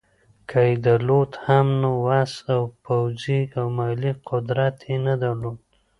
که یې درلود هم نو وس او پوځي او مالي قدرت یې نه درلود.